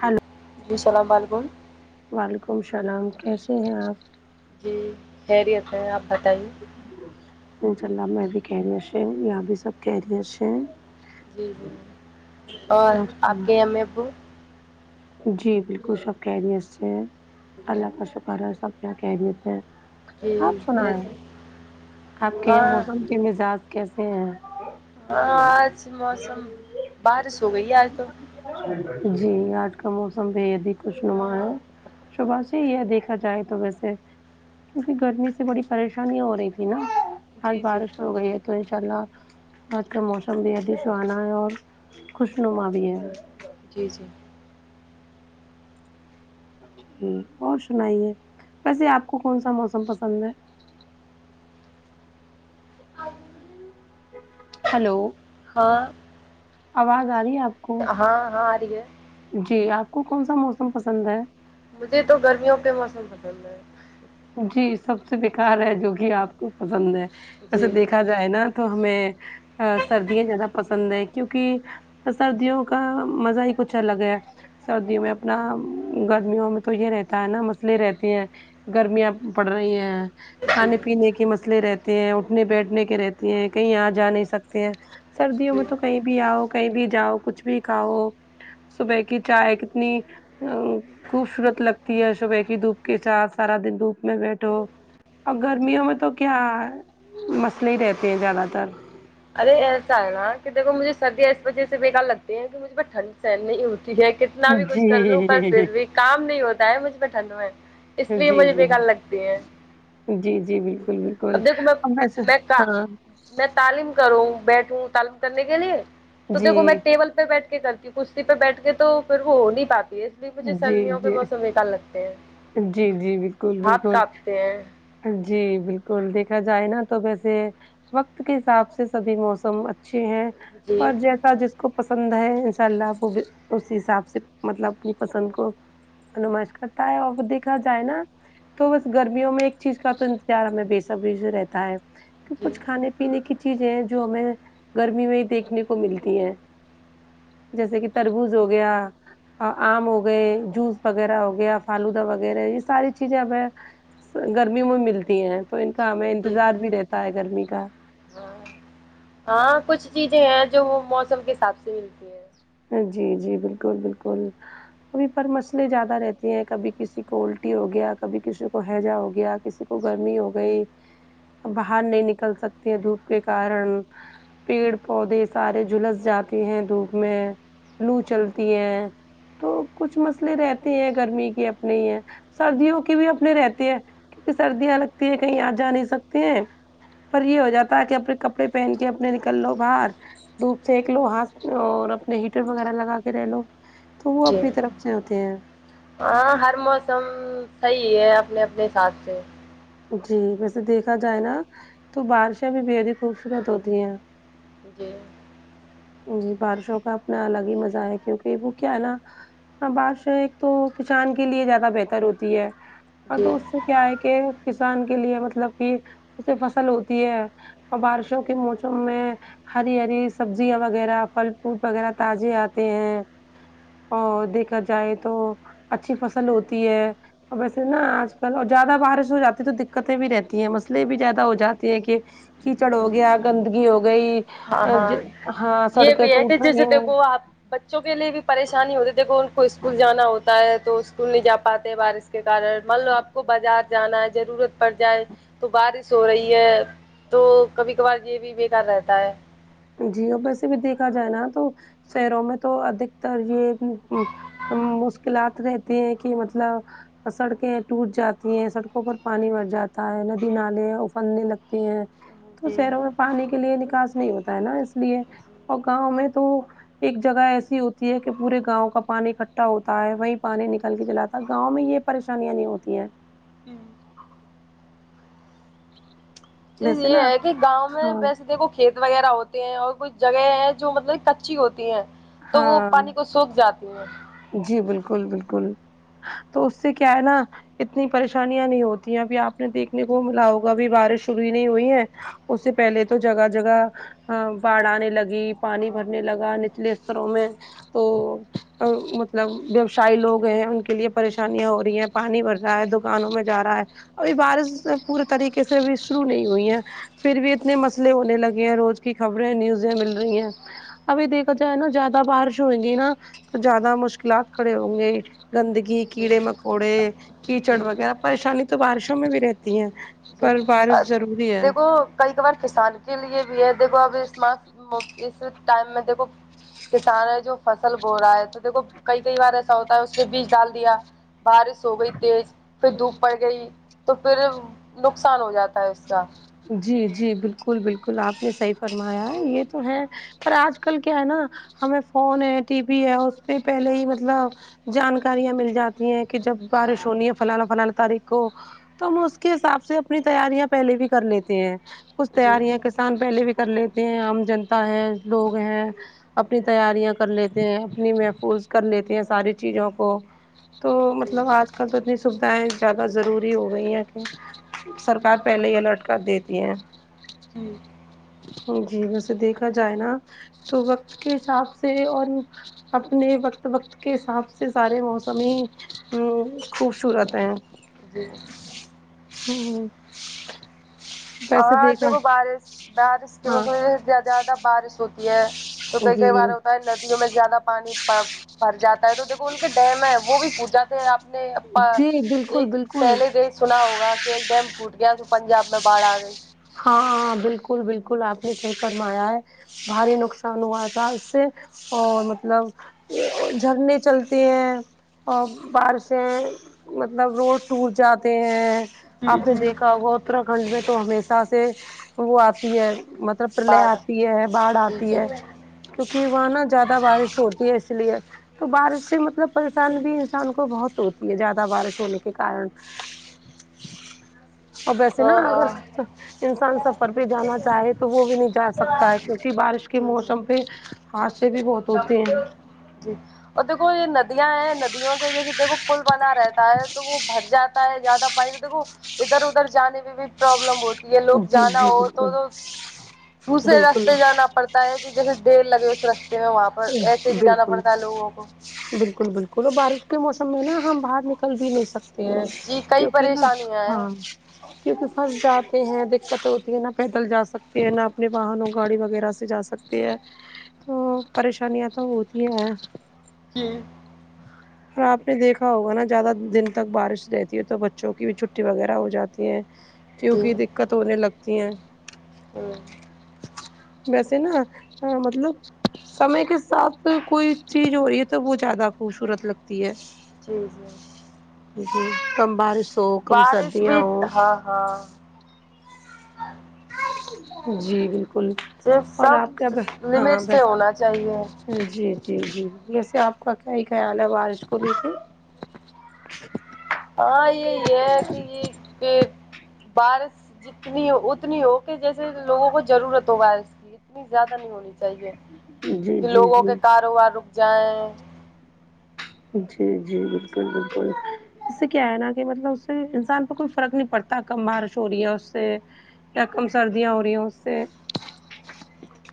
hello جی اسلام علیکم وعلیکم السلام کیسے ہیں آپ جی خیریت ہے آپ بتائیے انشاء اللہ میں بھی خریت سہ ہو یہ بھی سب خریت سہ ہے جی جی اور آپ کے امی ابو جی بالکل سب خریت سے اللہ کا شکر ہے سب کیا خریت ہے جی آپ سنے یس، اپ کے یہاں ہاں موسم کے مزاج کیسے ہیں ہاں آج موسم بارش ہو گئی ہے آج تو جی آج کا موسم بھی یدخوش نما ہے صبح یہ دیکھا جائے تو ویسے کیونکہ گرمی سے بڑی پریشانیاں ہو رہی تھی نا آج جی جی بارش ہو گئی تو ان شاء اللہ آج کا موسم بھی ادھی سہانا ہے اور خوش نما بھی ہے جی جی جی اور سنائیے ویسے آپ کو کون سا موسم پسند ہے ہیلو ہاں آواز آرہی ہے آپ کو ہاں ہاں آ رہی ہے جی آپ کو کون سا موسم پسند ہے مجھے تو گرمیوں کے موسم پسند ہے جی سب سے بیکار ہے جو کہ آپ کو پسند ہے ویسے جی دیکھ دیکھا جائے نا تو ہمیں سردیاں زیادہ پسند ہے کیونکہ سردیوں کا مزہ ہی کچھ الگ ہے سردیوں میں اپنا گرمیوں میں تو یہ رہتا ہے نا مسئلے رہتے ہیں گرمیاں بڑھ رہی ہیں جی کھانے پینے کے مسئلے رہت تی ہیں اٹھنے بیٹھنے کے رہتی ہیں کہیں ا جا نہیں سکتے ہیں سردیوں میں جی تو کہیں بھی آؤ کہیں بھی جاؤ کچھ بھی کھاؤ صبح کی چائے کتنی او خوبصورت لگتی ہے صبح کی دھوپ کے ساتھ سارا دن دھوپ میں بیٹھو اور جی گرمیوں میں جی تو کیا مسئلے ہی رہتے ہیں زیادہ تر ارے ایسا ہے نا کہ دیکھو مجھے سردیاں اس وجہ سے بیکار لگتی ہیں مجھ پ ٹھنڈ سہن نہیں ہوتی ہے کتنا بھی سھن کر لوں پر جی پھر بھی کام نہیں ہوتا ہے مجھے ٹھنڈ میں اس لیے جی مجھے جی بیکار لگتی ہے جی جی بالکل بالکل اب بس میں کا ہاں میں تعلیم کروں بیٹھوں تعلیم کرنے کے لیے تو دیکھو جی میں ٹیبل پہ بیٹھ کر کے کرسی پہ بیٹھ کے تو پھر وہ ہو نہیں پاتی ہے اسلئے مجھے جی سردیوں کے جی موسم بیکار لگتے ہیں جی جی بالکل ہاتھ بالکل کاپتے ہیں جی بالکل دیکھا جائے نا تو ویسے وقت کے حساب سے سبھی موسم اچھے ہیں جی پر جس جس کو پسند ہے ان شاء اللہ وہ اس حساب سے مطلب اپنی پسند کو انمش کرتا ہے اور وہ دیکھا جائے نا تو بس گرمیوں میں چیز کا تو انتظار ہمیں بےصبری سے رہتا ہے کہ جی کچھ کھانے پینے کی چیزیں جو ہمیں گرمی میں ہی دیکھنے کو ملتی ہے جیسے کہ تربوز ہو گیا اور آم ہو گئے جوس وغیرہ ہو گیا فالودہ وغیرہ یہ ساری چیزیں اب ہے گرمی میں ملتی ہیں تو ان کا ہمیں جی انتظار بھی رہتا ہے گرمی کا ہاں ہاں کچھ چیزیں ہیں جو وہ موسم کے حساب سے ملتی ہے جی جی بالکل بالکل کبھی پر مسئلے زیادہ رہتی ہیں کبھی کسی کو الٹی ہو گیا کبھی کسی کو ہیضہ ہو گیا کسی کو گرمی جی ہو گئی باہر نہیں نکل سکتے ہے دھوپ کے کارن پیڑ پودے سارے جلس جاتے ہیں دھوپ میں لو چلتی ہے تو کچھ مسئلے رہتے ہیں گرمی کے اپنے ہی ہیں سردیوں کے بھی اپنے رہتے ہیں کیونکہ سردیاں لگتی ہیں کہیں آ جا نہیں سکتی ہیں پر یہ ہو جاتا ہے کہ اپنے کپڑے پہن کے اپنے نکل لو باہر دھوپ سیک لو ہاتھ اور ہیٹر وغیرہ لگا کے رہ لو تو وہ جی اپنی طرف سے ہوتے ہیں ہاں ہر موسم صحیح ہے اپنے اپنے حساب سے جی ویسے دیکھا جائے نا تو بارشیں بھی بےحد ہی خوبصورت ہوتی ہیں جی جی بارشوں کا اپنا الگ ہی مزہ ہے کیونکہ وہ کیا ہے نا ہاں بارشیں ایک تو کسان کے لیے زیادہ بہتر ہوتی ہے ہ جی تو اس سے کیا ہے کہ کسان کے لیے مطلب کہ اس سے فصل ہوتی ہے اور بارشوں کے موسم میں ہری ہری سبزیاں وغیرہ پھل فروٹ وغیرہ تازے آتے ہیں اور دیکھا جائے تو اچھی فصل ہوتی ہے اور ویسے نا آج کل اور زیادہ بارش ہو جات تو دقتیں بھی رہتی ہیں مسلے یہ بھی زیادہ ہو جاتی ہیں کہ کیچڑ جی ہو گیا گندگی ہو گئی ہاں ہاں ہاں یہ سڑکیں بھی ہے کہ ٹوٹ جیسے رہی ہیں دیکھو آپ بچوں کے لیے بھی پریشانی ہوتی ہے کہ ان کو اسکول جانا ہوتا ہے تو اسکول نہیں جا پاتے بارش سے کے کن مان لو آپ کو بازار جانا ہے ضرورت پڑ جائے تو بارش ہو رہی ہے تو کبھی کبھار یہ بھی بیکار رہتا ہے جی ویسے سے بھی دیکھا جائے نا تو شہروں میں تو ادھکتر یہ مو مشکلات رہتی ہیں کہ مطلب سڑکیں ٹوٹ جاتی ہیں سڑکوں پر پانی بھر جاتا ہے ندی نالے ابلنے لگتے ہیں تو جی شہروں میں پانی کے لیے نکاس نہیں ہوتا ہے نا اس لیے جی اور گاؤں میں تو ایک جگہ ایسی ہوتی ہے کہ پورے گاؤں کا پانی اکٹھا ہوتا ہے وہیں پانی نکال کے چلاتا ہے گاؤں میں یہ پریشانیاں نہیں ہوتی ہیں جی ہوں چیز ویسے یہ نا ہے کہ گاؤں میں ہاں ویسے دیکھو کھیت وغیرہ ہوتے ہیں اور کوئی جگہ ہے جو مطلب کچی ہوتی ہے تو وہ ہاں پانی کو سوکھ جاتی ہیں جی بالکل بالکل تو اس سے کیا ہے نا اتنی پریشانیاں نہیں ہوتی ہیں ابھی آپ نے دیکھنے کو ملا ہوگا اب بارش شروع ہی نہیں ہوئی ہے اس سے پہلے تو جگہ جگہ ہ باڑھ آنے لگی پانی بھرنے لگا نچلے استروں میں تو مطلب ویوسائے لوگ ہیں ان کے لیے پریشانیاں ہو رہی ہیں پانی بھر رہا ہے دکانوں میں جا رہا ہے ابھی بارش پورے طریقے سے ابہی شروع نہیں ہوئی ہے پھر بھی اتنے مسئلے ہونے لگے ہیں روز کی خبریں نیوزیں مل رہی ہیں ابھی دیکھا جائے نا زیادہ بارش ہوئے گی نا تو زیادہ مشکلات کھڑے ہوں گے گندگی جی کیڑے مکوڑے کیچڑ جی وغیرہ پریشانی تو بارشوں میں بھی رہتی ہے جی پر بارش ضرور دیکھو کئی بار کسان کے لیے بھی ہے دیکھو اب اس ما اس ٹائم میں دیکھو کسان ہے جو فصل بو رہا ہے تو دیکھو کئی کئی بار ایسا ہوتا ہے اس نے بیج ڈال دیا بارش ہو گئی تیز پھر دھوپ پڑ گئی تو پھر نقصان ہو جاتا ہے اس [inaudible] جی جی بالکل بالکل آپ نے صحیح فرمایا ہے یہ تو ہے پر آج کل کیا ہے نا ہمیں فون ہے ٹی وی ہے اس پہ پہلے ہی مطلب جانکاریاں مل جاتی ہیں کہ جب بارش ہونی ہے فلانا فلانا تاریخ کو تو ہم اس کے حساب سے اپنی تیاریاں پہلے بھی کر لیتے ہیں کچھ جی تیاریاں ان پہلے بھی کر لیتے ہیں عام جنتا ہے لوگ ہیں اپنی تیاریاں کر لیتے ہیں اپنی محفوظ کر لیتے ہیں ساری چیزوں کو تو جی مطلب آج کل تو اتنی سویدھائیں زیادہ ضروری ہو گئی ہیں کہ سرکار پہلے ہی الرٹ کر دیتی ہے جی جی ویسے دیکھا جائے نا تو وقت کے حساب سے اور اپنے وقت وقت کے حساب سے سارے موسم ہی ہ خوبصورت ہے جی ہ ہاں دیکھو بارش بارش کے ہاں موسم میں جس زیادہ بارش ہوتی ہے تو کئی جی کئی بار ہوتا ہے لت میں زیادہ پانی بھر جاتا ہے تو دیکھو ان کے ڈیم ہے وہ بھی پھوٹ جاتا ہے اپنے اپا جی بالکل ایک بالکل پہلے دیش سنا ہوگا کہ ایک ڈیم پھوٹ گیا تو پنجاب میں باڑ آ گئی ہاں بالکل بالکل آپ نے صحیح فرمایا ہے بھاری نقصان ہوا تھا اس سے اور مطلب جھرنے چلتے ہیں اور بارشیں مطلب روڈ ٹوٹ جاتے ہیں جی آپ نے جی دیکھا ہوگا اتر کھنڈ میں تو ہمیشہ سے وہ آتی ہے م س پرلے باڑھ آتی ہے باڑھ جی آتی جی ہے کیونکہ وہاں نا زیادہ بارش ہوتی ہے اس لیے تو بارش سے مطلب پریشان بھی ہم کو بہت ہوتی ہے زیادہ بارش ہونے کے کارن اب ائسے نہ ہاں اگر ہاں انسان سفر پہ جانا چاہے تو وہ بھی نہیں جہ سکتا ہے کیونکہ بارش کے جی جی موسم پہ خاصی بھی بہت ہوتے ہیں جی اور دیکھو یہ ندیاں ہیں ندیوں کے جیسے دیکھو پل بنا رہتا ہے تو وہ بھر جاتا ہے زیادہ پیر دیکو ادھر ادھر جانے میں بھی پرابلم ہوتی ہے لوگ جی جانا جی ہو بالکل تو تو دوسرے بالکل راستے جانا پڑ ٹائر کی جگا دیڑ لگے سو رستے میں وہاں پر ایسے بھی جانا بالکل پڑتا ہے لوگوں کو بالکل بالکل اور بارش کے موسم میں نہ ہم باہر نکل بھی نہیں سکتے تے ہیں جی کئی کیونکہ نہ پریشانیاں ہیں ہاں کیونکہ پھنس جاتے ہیں دقت ہوتی ہے نہ پیدل جا سکتے ہیں نہ اپنے واہنوں گاڑی وغیرہ سے جا سکتے کتی ہے تو پریشانیاں تو حوتی ہے جی اور آپ نے دیکھا ہوگا نا زیادہ دن تک بارش رہتی ہے تو بچوں کی بھی چھٹی وغیرہ ہو جاتی تی ہے کیونکہ دقت ہونے لگتی ہیں ھممم ویسے نہ ا مطلب سمے کے ساتھ کوئی چیز ہو رہی ہے تو وہ زیادہ خوبصورت لگتی ہے جی جی جی کم بارش ہو کم بارش سردیاں بھی ہو ہاں ہاں جی بالکل تو اور سب آپ کیا ہاں لمٹ سے بس ہونا چاہیے جی جی جی ویسے آپ کا کیا ہی خیال ہے بارش کو لیکے ہاں یہ یہ ہے کہ یہ کہ بارش جتنی اتنی ہو کہ جیسے لوگوں کو ضرورت ہو بارش کی اتنی زیادہ نہیں ہونی چاہیے جی کہ جی لوگوں جی کے کاروبار رک جائیں جی جی بالکل بالکل اس سے کیا ہے نا کہ مطلب اس سے انسان پر کوئی فرق نہیں پڑتا کم بارش ہو رہی ہے اس سے کیا کم سردیاں ہو رہی ہے اس سے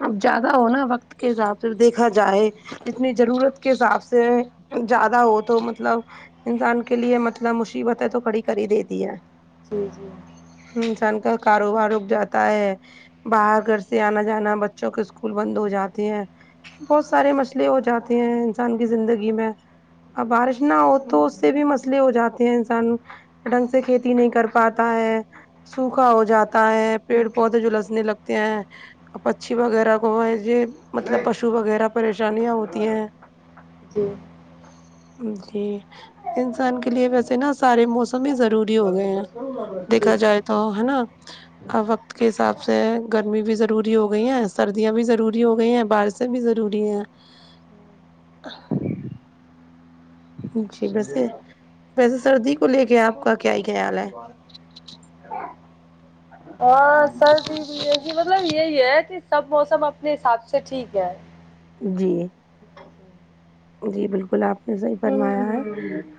اب زیادہ ہونا وقت کے حساب سے دیکھا جائے جتنی ضرورت کے حساب سے زیادہ ہو تو مطلب انسان کے لیے مطلب مصیبتیں تو کھڑی کر ہی دیتی ہے جی جی انسان کا کاروبار رک جاتا ہے باہر گھر سے آنا جانا بچوں کے اسکول بند ہو جاتے ہیں بہت سارے مسئلے ہو جاتے ہیں انسان کی زندگی میں اب جی بارش نہ ہو تو اس سے بھی مسئلے ہو جاتے ہیں انسانوں ڈھنگ سے کھیتی نہیں کر پاتا ہے سوکھا ہو جاتا ہے پیڑ پودے جلسنے لگتے ہیں اور پچھی وغیرہ کو ہے یہ مطلب پشو وغیرہ پریشانیاں ہوتی ہیں جی جی انسان کے لیے ویسے نا سارے موسم ہی ضروری ہو گئے ہیں دیکھا جی جائے تو ہے نہ اور وقت کے حساب سے گرمی بھی ضروری ہو گئی ہیں سردیاں بھی ضروری ہو گئی ہیں بارش شے بھی ضروری ہے جی ویسے ویسے سردی کو لے کے آپ کا کیا ہی خیال ہے ہاں سردی بھی ایی مطلب یہی ہے کہ سب موسم اپنے حساب سے ٹھیک ہے جی جی بالکل آپ نے صحیح فرمایا ہے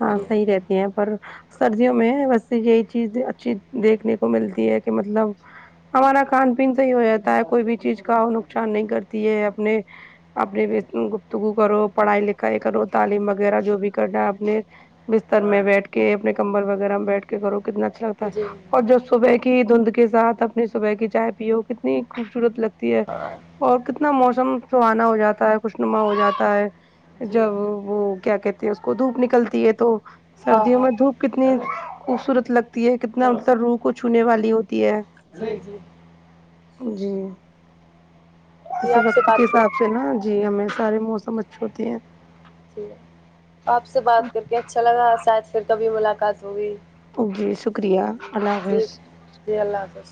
ہاں جی صحیح رہتی ہیں پر سردیوں میں ویسے یہی چیز اچھی دیکھنے کو ملتی ہے کہ مطلب ہمارا کھان پین صحیح ہو جاتا ہے کوئی بھی چیز کا وہ نقصان نہیں کرتی ہے اپنے اپنے گفتگو کرو پڑھائی لکھائی کرو تعلیم وغیرہ جو بھی کرنا اپنے بستر میں بیٹھ کے اپنے کمبل وغیرہ میں بیٹھ کے کرو کتنا اچھا لگتا ہے جی اور جو صبح کی دھند کے ساتھ اپنی صبح کی چائے پیو کتنی خوبصورت لگتی ہے اور کتنا موسم سہانا ہو جاتا ہے خوشنما ہو جاتا ہے جی جب وہ کیا کہتے ہیں اس کو دھوپ نکلتی ہے تو ہاں سردیوں ہاں میں دھوپ کتنی خوبصورت لگتی ہے کتنا مطلب روح کو چھونے والی ہوتی ہے جی جی جی جی اس آپ سے وقت کے بات کر ساتھ سے نا جی ہمیں سارے موسم اچھے ہوتے ہیں جی آپ سے بات کر کے اچھا لگا شاید پھر کبھی ملاقات ہوگئی جی شکریہ اللہ ٹھیک حافظ جی اللہ حافظ